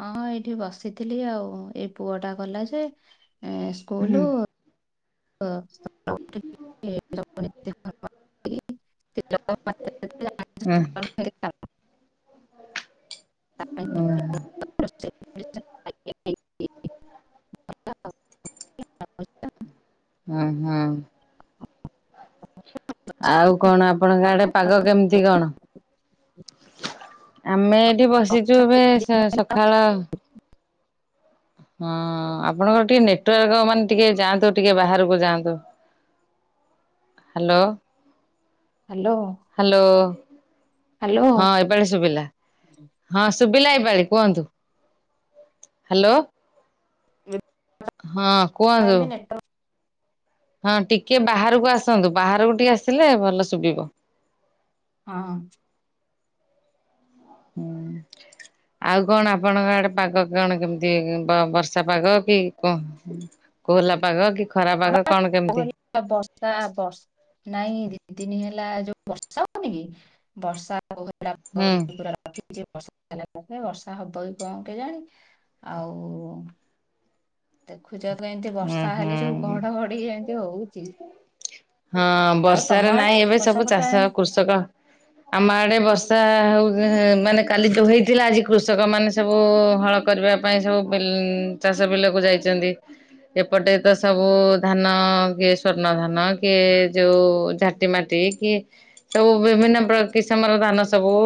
ହଁ ହଁ ଏଇ ଏଠି ବସିଥିଲି ଆଉ ଏଇ ପୁଅ ଟା ଗଲା ଯେ ଏ ହୁଁ ସ୍କୁଲ। [unintelligible] ହୁଁ। [unintelligible] ହଁ। ତା [unintelligible] ଆଉ ବସିଛି। ଉଁ ହୁଁ। ଆଉ କଣ ଆପଣଙ୍କ ଆଡେ ଆଉ ପାଗ କେମିତି କଣ? ଆମେ ତମ ଏଇଠି ବସିଛୁ ବର୍ଷା ଏବେ କେମିତି? ସକାଳ ହଁ ଆପଣଙ୍କର ଟିକେ ନେଟୱାର୍କ ମାନେ ଟିକେ ଯାଆନ୍ତୁ। ଟିକେ ବାହାରକୁ ଯାଆନ୍ତୁ। ହାଲୋ। ହାଲୋ। ହାଲୋ ହଁ ଏ ଏପାଳି ଶୁଭିଲା ହଁ ଶୁଭିଲା ଏଇପାଳି କୁହନ୍ତୁ। ହାଲୋ। ହଁ କୁହନ୍ତୁ? ସେଥିପାଇଁ ବି ନେଟୱାର୍କ ହଁ ଟିକେ ବାହାରକୁ ଆସନ୍ତୁ ବାହାରକୁ ଟିକେ ଆସିଲେ ଭଲ ଶୁବିବ। ହଁ। ହୁଁ। ଆଉ କଣ ଆପଣଙ୍କ ଆଡେ ପାଗ କଣ କେମିତି ବ ବର୍ଷା ପାଗ କି କଣ? କୋହଲା ପାଗ କି ଖରା ପାଗ କଣ କେମିତି? ଆ ବର୍ଷା ହବ। ନାଇଁ ଦି ତିନି ହେଲା ଯୋଉ ବର୍ଷା ହଉନି କି ବର୍ଷା ପୁରା [unintelligible] ହୁଁ [unintelligible] ବର୍ଷା ହବ ବି କଣ କେଜାଣି। ଆଉ ଦେଖୁଛ ତ ଏମିତି ଉଁ ବର୍ଷା ହେଲେ ଯଉ ହୁଁ। ଘଡଘଡି ଏମିତି ହଉଛି। ହଁ ଆଉ ତମ ବର୍ଷାରେ ଆଡେ ନାଇଁ ଏବେ ବର୍ଷା ସବୁ ଫର୍ଷା ଚାଷ କୃଷକ ଆମ ଆଡେ ବର୍ଷା ହଉ ମାନେ କାଲି ଯୋଉ ହେଇଥିଲା। ଆଜି କୃଷକ ମାନେ ସବୁ ହଳ କରିବା ପାଇଁ ସବୁ ବିଲ ଚାଷ ବିଲକୁ ଯାଇଛନ୍ତି। ଏପଟେ ତ ସବୁ ଧାନ କିଏ ସ୍ଵର୍ଣ୍ଣ ଧାନ କିଏ ଯୋଉ ଝା ଟି ମାଟି କି ସବୁ ବିଭିନ୍ନ ପ୍ର କିସମର ଧାନ ସବୁ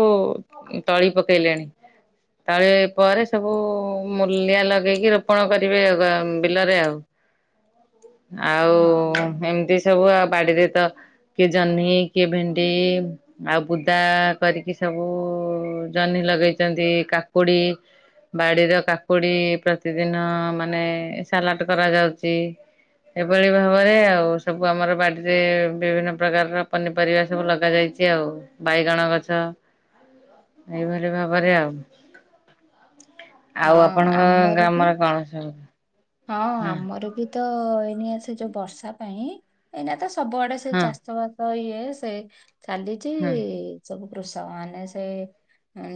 ତଳି ପକେଇଲେଣି। ତଳି ପରେ ସବୁ ମୂଲିଆ ଲଗେଇକି ରୋପଣ କରିବେ ଆ ବିଲରେ ଆଉ। ଆଉ ହଁ ଏମିତି ସବୁ ଆଉ ବାଡିରେ ତ କିଏ ଜହ୍ନି କିଏ ଭେଣ୍ଡି ଆଉ ବୁଦା କରିକି ସବୁ ଜହ୍ନି ଲଗେଇଛନ୍ତି। କାକୁଡି ବାଡିର କାକୁଡି ପ୍ରତିଦିନ ମାନେ ସାଲାଟ କରାଯାଉଛି। ଏଭଳି ଭାବରେ ଆଉ ସବୁ ଆମର ବାଡିରେ ବିଭିନ୍ନ ପ୍ରକାରର ପନିପରିବା ସବୁ ଲଗା ଯାଇଛି। ଛି ନଜ ଆଉ ବାଇଗଣ ଗଛ ଏଇଭଳି ଭାବରେ ଆଉ। [inaudible] ଆଉ ଆପଣଙ୍କ ଆମର ବି ଗ୍ରାମର କଣ ସ ହଁ ଆମର ବି ତ ଏଇନି ସେ ଯୋଉ ବର୍ଷା ପାଇଁ ଏଇନା ତ ସବୁଆଡେ ସେ ଚାଷ ବାସ ଇଏ ସେ ଚାଲିଛିଇ ସବୁ କୃଷକ ମାନେ ସେ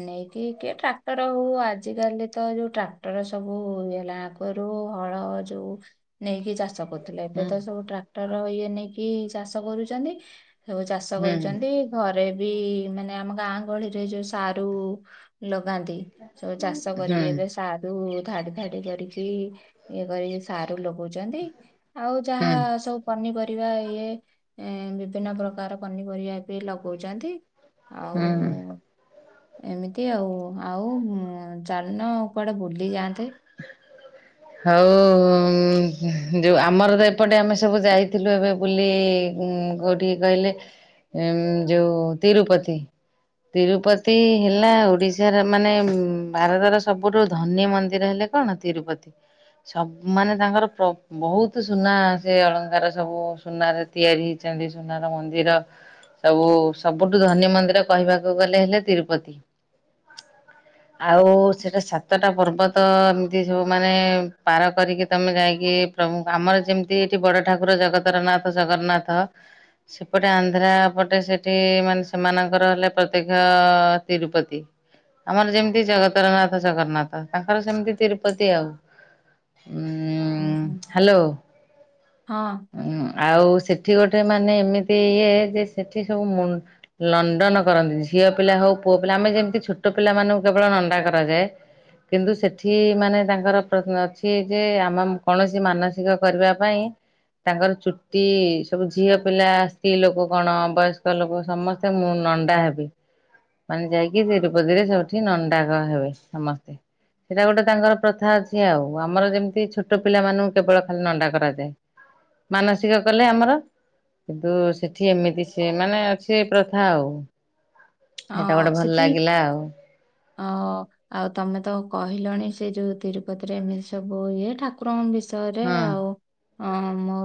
ନେଇକି କିଏ ଟ୍ରାକ୍ଟର ହଉ ଆଜିକାଲି ତ ଯୋଉ ଟ୍ରାକ୍ଟର ସବୁ ହେଲା ଆଗରୁ ହଳ ଯୋଉ ନେଇକି ଚାଷ କରୁ ଥିଲେ ଏବେ ତ ସବୁ ଟ୍ରାକ୍ଟର ଇଏ ନେଇକି ଚାଷ କରୁଛନ୍ତି ସବୁ ଚାଷ କରୁଛନ୍ତି ଘରେ ବି ମାନେ ଆମ ଗାଁ ଗହଳିରେ ଯୋଉ ସାରୁ ଲଗାନ୍ତି ସଜ। ଚା ଷ କରି ସାରୁ ଧାଡି ଧାଡି କରିକି ଇଏ କରିକି ସାରୁ ଲଗଉଛନ୍ତି ଆଉ ଯାହା ସବୁ ପନିପରିବା ପନ ର ଇଏ ବିଭିନ୍ନ ପ୍ରକାର ପନିପରିବା ବି ଲଗଉଛନ୍ତି ଆଉ ଏମିତି ଆଉ ଆଉ ଜଲନ କୁଆଡେ ବୁଲି ଯାଆନ୍ତେ ହଉ ଯଉ ଆମର ତ ଏପଟେ ଆମେ ସବୁ ଯାଇଥିଲୁ ଏବେ ବୁଲି ଟିକେ କହିଲେ ଉ ଯୋଉ ତିରୁପତି ତିରୁପତି ହେଲା ଓଡ଼ିଶାର ମାନେ ଭାରତର ସବୁଠୁ ଧନୀ ମନ୍ଦିର ହେଲେ କଣ ତିରୁପତି ସବୁ ମାନେ ତାଙ୍କର ବହୁତ ସୁନା ସେ ଅଳଙ୍କାର ସବୁ ସୁନାରେ ତିଆରି ହେଇଛନ୍ତି ସୁନାର ମନ୍ଦିର ସବୁ ସବୁଠୁ ଧନୀ ମନ୍ଦିର କହିବାକୁ ଗଲେ ହେଲେ ତିରୁପତି ଆଉ ସେଟା ସାତଟା ପର୍ବ ତ ଏମିତି ସବୁ ମାନେ ପାର କରିକି ତମେ ଯାଇକି ପ୍ରୁ ଆମର ଯେମିତି ଏଠି ବଡ ଠାକୁର ଜଗତର ନାଥ ଜଗନ୍ନାଥ ସେପଟେ ଆନ୍ଧ୍ରା ପଟେ ସେଠି ମାନେ ସେମାନଙ୍କର ହେଲେ ପ୍ରତ୍ୟେକ ତିରୁପତି ଆମର ଯେମିତି ଜଗତରନାଥ ଜଗନ୍ନାଥ ତାଙ୍କର ସେମିତି ତିରୁପତି ଆଉ ଉ ହୁଁ ହୁଁ। ହୁଁ। ହ୍ୟାଲୋ ହଁ ଉଁ ଆଉ ସେଠି ଗୋଟେ ମାନେ ଏମିତି ଇଏ ଯେ ସେଠି ସବୁ ମୁ ଲଣ୍ଡନ କରନ୍ତି ଝିଅ ପିଲା ହଉ ପୁଅ ପିଲା ଆମେ ଯେମିତି ଛୋଟ ପିଲାମାନାନଙ୍କୁ କେବଳ ନଣ୍ଡା କରାଯାଏ କିନ୍ତୁ ସେଠି ମାନେ ତାଙ୍କର ପ୍ରଶ୍ନ ଅଛି ଯେ ଆମ କୌଣସି ମାନସିକ କରିବା ପାଇଁ ତାଙ୍କର ଚୁଟି ସବୁ ଝିଅ ପିଲା ସ୍ତ୍ରୀ ଲୋକ କଣ ବୟସ୍କ ଲୋକ ସମସ୍ତେ ମୁଁ ନଣ୍ଡା ହେବି ମାନେ ଯାଇକି ସେ ରୁପତିରେ ସବୁଠି ନଣ୍ଡାକ ହେବେ ସମସ୍ତେ ସେଇଟା ଗୋଟେ ତାଙ୍କର ପ୍ରଥା ଅଛି ସେ ଆଉ ଆମର ଯେମିତି ଛୋଟ ପିଲାମାନଙ୍କୁ କେବଳ ଖାଲି ନଣ୍ଡା କରାଯାଏ ମାନସିକ କଲେ ଆମର କିନ୍ତୁ ସେଠି ଏମିତି ସି ମାନେ ଅ ସେ ପ୍ରଥା ଆଉ ସେଇଟା ହଁ ଗୋଟେ ଭଲ ସେଠି ଲାଗିଲା ଆଉ ହ ଆଉ ତମେ ତ କହିଲଣି ସେ ଯୋଉ ତିରୁପତିରେ ଏମିତି ସବୁ ଇଏ ଠା କ୍ର ବିଷୟରେ ହଁ। ଆଉ ହଁ ମୋ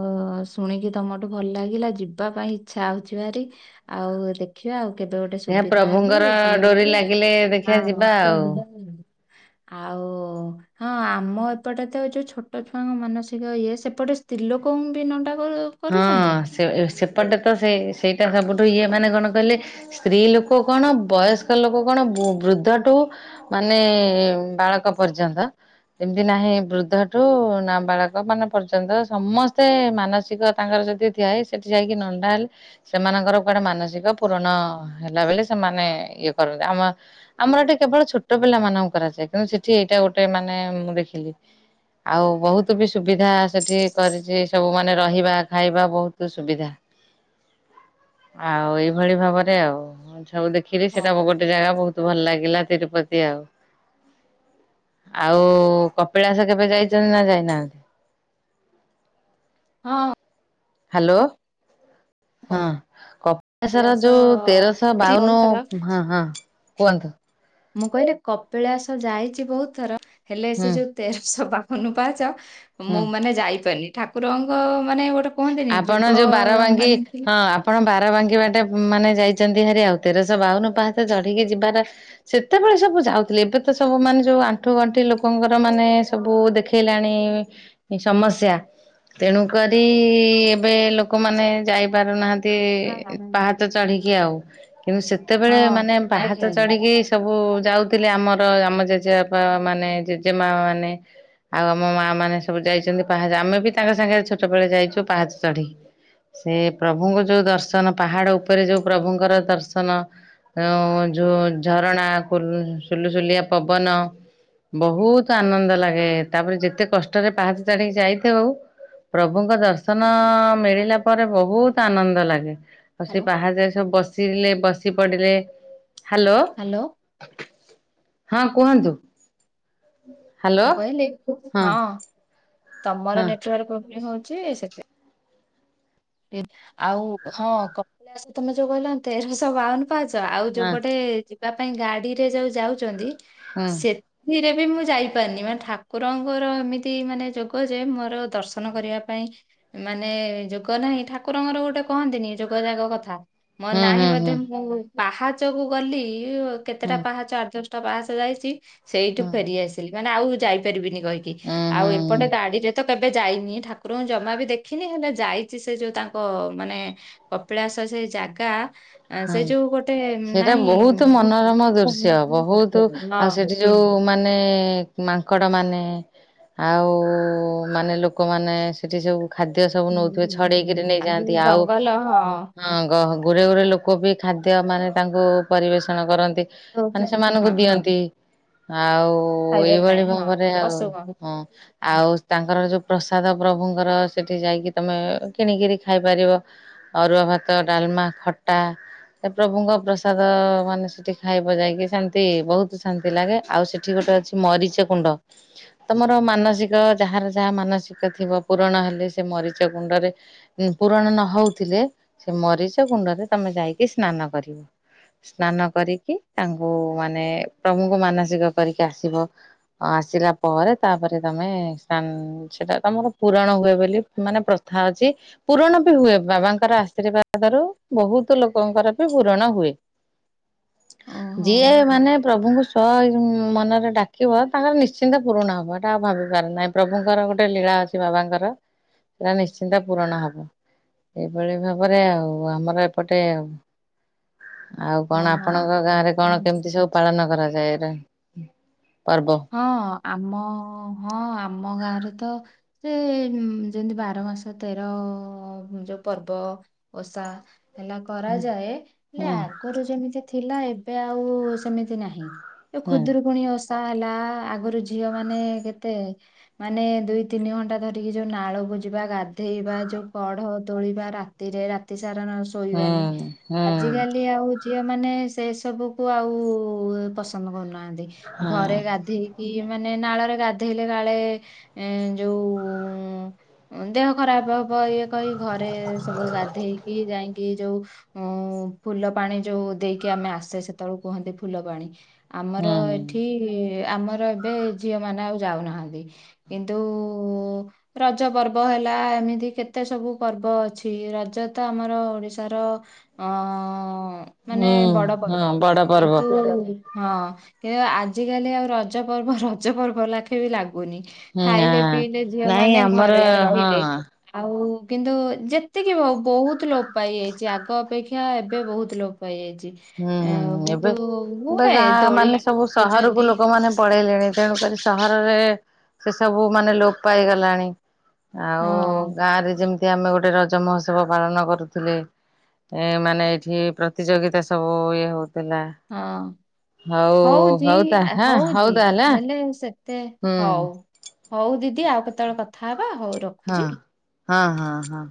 ଶୁଣିକି ତମଠୁ ଭଲ ଲାଗିଲା ଯିବା ପାଇଁ ଇଚଛା ହଉଛି ଭାରି ଆଉ ଦେଖିବା ଆଉ କେବେ ଗୋଟେ ହେ ସୁବିଧା ହେଲେ ପ୍ରଭୁଙ୍କର ଡୋରି ଯିବାକୁ ଲାଗିଲେ ଦେଖିବା ହଁ ଯିବା ଆଉ ଆଉ ହଁ ଆମ ଏପଟେ ତ ଯୋଉ ଛୋଟ ଛୁଆଙ୍କ ମାନସିକ ଇଏ ସେପଟେ ସ୍ତ୍ରୀ ଲୋକଙ୍କୁ ବି ନଟାକ ହଁ ସେ ସେପଟେ ତ ସେ ସେଇଟା ସବୁଠୁ ଇଏ ମାନେ କଣ କହିଲେ ସ୍ତ୍ରୀ ଲୋକ କଣ ବୟସ୍କ ଲୋକ କଣ ବୃଦ୍ଧଠୁ ମାନେ ବାଳକ ପର୍ଯ୍ୟନ୍ତ ଏମିତି ନାହିଁ ବୃଦ୍ଧଠୁ ନା ବାଳକ ମାନ ପର୍ଯ୍ୟନ୍ତ ସମସ୍ତେ ମାନସିକ ତାଙ୍କର ଯଦି ଥିଆଏ, ସେଠି ଯାଇକି ନଣ୍ଡା ହେଲେ ସେମାନଙ୍କର କୁଆଡେ ମାନସିକ ପୂୁରଣ ହେଲା ବେଲେ, ସେମାନେ ଇଏ କରନ୍ତି। ଆମ ଆମର ଏଟି କେବଳ ଛୋଟ ପିଲା ମାନଙ୍କୁ କରାଯାଏ। କିନ୍ତୁ ସେଠି ଏଇଟା ଗୋଟେ ମାନେ, ମୁଁ ଦେଖିଲି। ଆଉ, ବହୁତ ବି ସୁବିଧା ସେଠି କରିଛି। ସବୁ ମାନେ ରହିବା ଖାଇବା ବହୁତ ସୁବିଧା। ଆଉ ଏଇଭଳି ଭାବରେ ଆଉ ସବୁ ଦେଖିଲି, ସେଇଟା ଗୋଟେ ଜାଗା ବହୁତ ଭଲ ଲାଗିଲା। ତିରୁପତି ଆଉ। ଆଉ, କପିଳାସ କେବେ ଯାଇଚନି ନା ଯାଇନାହାଁନ୍ତି? ହଁ। ହ୍ୟାଲୋ। ହଁ, କପେଶର କପିଳାସ ଯୋଉ ତେରଶହ ଯାଇଛି ବହୁତ ବାଉନୁ, ଥର ହଁ, ହଁ କୁହନ୍ତୁ। ମୁଁ କହିଲି କପିଳାସ ଯାଇଛି ବହୁତ ଥର। ହେଲେ ସେ ହୁଁ ଯୋଉ ତେରଶହ ବାଉନ ପାହାଚ, ମୁଁ ହୁଁ। ମାନେ ଯାଇପାରିନି, ଠାକୁରଙ୍କ ମାନେ ଗୋଟେ କୁହନ୍ତିନି ଯୋଗ ଆପଣ ଯୋଉ, ବାରବାଙ୍କୀ, ମାନେ ଥିଲେ- ହଁ ଆପ୍ ଆପଣ ବାରବାଙ୍କୀବାଟେ ମାନେ ଯାଇଛନ୍ତି ହାରି ଆଉ। ତେରଶହ ବାଉନ ପାହାଚ ଚଢ଼ିକି ଯିବାର ସେତେବେଳେ ସବୁ ଯାଉଥିଲେ। ଏବେ ତ ସବୁ ମାନେ ଯୋଉ ଆଣ୍ଠୁ ଗଣ୍ଠି ଲୋକଙ୍କର ମାନେ ସ ସବୁ ଦେଖେଇଲାଣି ସମସ୍ୟା। ତେଣୁ କରି ବି-ଇ-ଇ ଏବେ ଲୋକମାନେ ଯାଇପାରୁନାହାଁନ୍ତି। ହଁ ତେ-ଏ ନାଇଁ- ପାହଚ ଚଢ଼ିକି ଆଉ। କିନ୍ତୁ ସେତ୍ ତେବେଳେ ମାନେ ପାହାଚ ଚଢ଼ିକି ସବୁ ଯାଉ ଥିଲେ, ଆମର ଆମ ଜେଜେବାପା ମାନେ, ଜେଜେମା ମାନେ ଆଉ, ଆମ ମାଁ ମାନେ ସବୁ ଯାଇଛନ୍ତି ପାହାଚ, ଆମେ ବି ତାଙ୍କ ସାଙ୍ଗେ ଛୋଟବେଳେ ଯାଇଛୁ ପାହାଚ ଚଢି। ସେ ପ୍ରଭୁଙ୍କ ଯୋଉ ଦର୍ଶନ! ପାହାଡ ଉପରେ ଯୋଉ ପ୍ରଭୁଙ୍କର ଦର୍ଶନ ଉଁ ଯଉଁ ଝରଣା କୁ ସୁଲୁସୁଲିଆ ପବନ ବହୁତ ଆନନ୍ଦ ଲାଗେ। ତା'ପରେ ଯେତେ କଷ୍ଟରେ ପାହାଚ ଚଢ଼ିକି ଯାଇଥାଉ। ପ୍ରଭୁଙ୍କ ଦର୍ଶନ-ଅ ମିଳିଲା ପରେ ବହୁତ ଆନନ୍ଦ ଲାଗେ। ଆଉ, ସେ ହ୍ୟାଲୋ ପାହଚରେ ସବୁ ବସିଲେ, ବସିପଡିଲେ, ହାଲୋ! ହାଲୋ। ହଁ କୁହନ୍ତୁ। ହୁଁ। ମୁଁ କହିଲି, ହଁ, ତମର ହଁ ନେଟୱାକ୍ ପ୍ରୋବ୍ଲେମ୍ ହଉଛି, ସେତ୍ ଆଉ, ହଁ କପିଳାସ ତମେ ଯୋଉ କହିଲ ତେରଶହ ବାଉନ ପାହାଚ। ଆଉ, ହଁ ଯୋଉପଟେ ଯିବା ପାଇଁ ଗାଡିରେ ଯୋଉ ଯାଉଛନ୍ତି। ହୁଁ ସେ ଥିରେ ବି ମୁଁ ଯାଇପାରିନି। ମାନେ ଠାକୁରଙ୍କର ଏମିତି ମାନେ ଯୋଗ ଯେ, ମୋର ଦର୍ଶନ କରିବା ପାଇଁ ମାନେ-ଏ ଯଉ କ ନାହିଁ, ଠାକୁରଙ୍କର ଗୋଟେ କହନ୍ତିନି! ଯୋଗଜାଗ କଥା ମୋ ନାହିଁ, ହୁଁ ହୁଁ ବୋଧେ ମୁଁ ପାହାଚକୁ ଗଲି ହୁଁ କେତେଟା ପାହାଚ ଆଠ ଦଶଟା ପାହାଚ ଯାଇଛି! ସେଇଠୁ ହୁଁ ଫେରିଆସିଲି। ଥିଲି, ମାନେ ଆଉ ଯାଇପାରିବିନି କହିକି ହୁଁ ଆଉ ହୁଁ ଏପଟେ ହୁଁ ଗାଡିରେ ତ କେବେ ଯାଇନି? ଠାକୁରଙ୍କୁ ଜମା ବି ଦେଖିନି? ହେଲେ ଯାଇ ଛି। ସେ ଯୋଉ ତାଙ୍କ ମାନେ, କପିଳାସ ସେ ଜାଗା ଆଁ, ସେ ହୁଁ, ଯୋଉ ଗୋଟେ ସେଇଟା ନାହିଁ ବହୁତ ମନୋରମ ହଁ ଦୃଶ୍ୟ! ବହୁତୁ ଆଉ, ସେଠି ଯୋଉଁ ମାନେ ନେ-ଏ-ଏ ମାଙ୍କଡ ମାନେ ଆଉ-ଉ-ଉ-ଉ, ମାନେ ଲୋକମାନେ ସେଠି ସବୁ ଖାଦ୍ୟ ସବୁ ନଉଥିବେ। ଛଡେଇକିରି ଯୋଉ ନେଇଯାଆନ୍ତି। ଆଉ ଜଙ୍ଗଲ ହଁ ହଁ, ଗହ ଗୁରେ ଗୁରେ ଲୋକ ବି ଖାଦ୍ୟ ମାନେ ତାଙ୍କୁ ପରିବେଷଣ କରନ୍ତି। ମାନେ ଦଉଚି, ସେମାନଙ୍କୁ ହଁ ଦିଅନ୍ତି। ଆଉ ଓ ଖାଇବା ଏଇଭଳି ପାଇଁ ହଁ ଭାବରେ ଆଉ, ପଶୁ ଓହୋ ହଁ। ଆଉ, ତାଙ୍କର ଯୋଉ ପ୍ରସାଦ ପ୍ରଭୁଙ୍କର ସେଠି ଯାଇକି, ତମେ କିଣିକିରି ଖାଇପାରିବ। ଅରୁଆ ଭାତ, ଡାଲମା, ଖଟା। ସେ ପ୍ରଭୁଙ୍କ ପ୍ରସାଦ-ଅ ମାନେ ସେଠି ଖାଇବ ଯାଇକି। ସେମତି ବହୁତ, ଶାନ୍ତି ଲାଗେ। ଆଉ ସେଠ୍ ଠି ଗୋଟେ ଅଛି, ମରିଚ କୁଣ୍ଡ। ତମର ମାନସିକ ଯାହାର ଯାହା ମାନସିକ ଥିବ ପୁରଣ ହେଲେ ସେ ମରିଚ କୁଣ୍ଡରେ ଉଁ ପୂରଣ ନ ହଉଥିଲେ ସେ ମରିଚ କୁଣ୍ଡରେ ତମେ ଯାଇକି ସ୍ନାନ କରିବ। ସ୍ନାନ କରିକି ତାଙ୍କୁ ମାନେ ପ୍ରଭୁଙ୍କୁ ମାନସିକ କରିକି ଆସିବ। ଅ ଆସିଲା ପରେ ତାପରେ ତମେ ସାନ୍ ସେଟା ତମର ପୁରାଣ ହୁଏ ବୋଲି ମାନେ ପ୍ରଥା ଅଛି। ପୁରଣ ବି ହୁଏ ବାବାଙ୍କର ଆଶୀର୍ବାଦରୁ ବୋହୁତୁ ଲୋକଙ୍କର ବି ପୂରଣ ହୁଏ ଯିଏ ମାନେ ପ୍ରଭୁଙ୍କୁ [unintelligible] ମନରେ ଡାକିବ ତାଙ୍କର ନିଶ୍ଚିନ୍ତ ପୁରୁଣ ହେବ ହେଟା ଆଉ ଭାବିବାର ନାହିଁ ପ୍ରଭୁଙ୍କର ଗୋଟେ ଲୀଳା ଅଛ୍ ଚି ବାବାଙ୍କର ସେଟା ନିଶ୍ଚିନ୍ତ ପୂରଣ ହବ ଏଇଭଳି ଭାବରେ ଆଉ ଆମ ର ଏପଟେ ଆଉ। ଆଉ ହଁ କଣ ଆପଣଙ୍କ ଗାଁରେ କଣ ହଁ। କେମିତି ସବୁ ପାଳନ କରାଯାଏ ର ପର୍ବ? ହଁ ଆମ ହଁ ଆମ ଗାଁରେ ତ ତେମ୍ ଯେଏଁତି ବାର ମାସ ତେର ଯୋଉ ପର୍ବ। ଓଷା। ହେଲା କରାଯାଏ ହେଲେ ହୁଁ ଆଗରୁ ଯେମିତି ଥିଲା ଏବେ ଆଉ ସେମିତି ନାହିଁ। ଯୋଉ ହୁଁ ଖୁଦୁରୁକୁଣି ଓଷା ହେଲା ଆଗରୁ ଝିଅ ମାନେ କେତେ ମାନେ ଦୁଇ ତିନି ଘଣ୍ଟା ଧରିକି ଯୋଉ ନାଳକୁ ଜିବା ଗାଧେଇବା ଯୋଉ କଢ଼ ତୋଳିବା ରା ତିରେ ରାତିସାରା ନ ଆଉ ହୁଁ ଶୋଇବାନି ହୁଁ ଆଜିକାଲି ଆଉ ଝିଅ ମାନେ ସେ ସବୁକୁ ଆଉ ପସନ୍ଦ କରୁନାହାନ୍ତି ଘରେ ହଁ। ଗାଧେଇ କି ମାନେ ନାଳରେ ଗାଧେଇଲେ କାଳେ ଏଁ ଯୋଉ ଉଁ ଦେହ ଖରାପ ହବ ଇଏ କହି ଘରେ ସବୁ ଗାଧେଇକି ଯାଇଁ କି ଯୋଉ ଉଁ ଫୁଲ ପାଣି ଯୋଉ ଦେଇକି ଆମେ ଆସେ ସେତେବେଳୁ କୁହନ୍ତି ଫୁଲ ପାଣି। ଆମର ହୁଁ ଏଠି ଆମର ଏବେ ଝିଅ ମାନେ ଆଉ ଯାଉନାହାନ୍ତି। କିନ୍ତୁ ରଜ ପର୍ବ ହେଲା ଏମିତି କେତେ ସବୁ ପର୍ବ ଅଛି ରଜ ତ ଆମର ଓଡ଼ିଶାର ଅଁ ଉଁ। ମାନେ ହୁଁ ବଡ଼ ହଁ ପର୍ବ ବଡ ପର୍ବ କିନ୍ତୁ ହଁ କିନ୍ତୁ ଆ ଆଜିକାଲି ଆଉ ରଜ ପର୍ବ ରଜ ପର୍ବ ଲାଖେ ବି ଲାଗୁନି। ହୁଁ ହଁ। ଖାଇଲେ ପିଇଲେ ଝିଅ ନାଇଁ ମାନେ ଆମର ଘରେ ହଁ ରହିଲେ। ଆଉ କିନ୍ତୁ ଯେତିକି ହଉ ବହୁତ ଲୋପ୍ ପାଇଯାଇଛି ଆଗ ଅପେକ୍ଷା ଏବେ ବହୁତ ଲୋପ୍ ପାଇ ଯାଇଛି। ଏବେ ଗାଁ ଦୋଳି ମାନେ ସବୁ ସହରକୁ ଲଗଉଛନ୍ତି ଲୋକ ମାନେ ପଳେଇଲେଣି ତେଣୁକରି ସହରରେ ସେ ସବୁ ମାନେ ଲୋପ୍ ପାଇଗଲାଣି। ଆଉ ହଁ ଗାଁ ରେ ଯେମ୍- ତି ଆମେ ଗୋଟେ ରଜ ମହୋତ୍ସବ ପାଳନ କରୁଥିଲେ ଏ ମାନେ ଏଇଠି ପ୍ରତିଯୋଗିତା ସ୍ ସବୁ ଇଏ ହୋଉଥିଲା। ହଁ ହଉଛି ଆ ତାହେଲେ ହଉ ହଉଛି ତାହେଲେ ହେଲେ ସେ ତେ ହଉ ହୁଁ। ହଉ ଦିଦି ଆଉ କେତେବେଳେ କଥା ହେବା ହଉ ର ହଁ ହଁ ହଁ ହଁ।